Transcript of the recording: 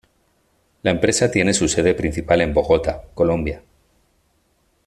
La empresa tiene su sede principal en Bogota, Colombia.